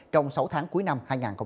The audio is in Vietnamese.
trong sáu tháng cuối năm hai nghìn hai mươi